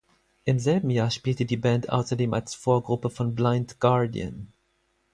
Im selben Jahr spielte die Band außerdem als Vorgruppe von Blind Guardian.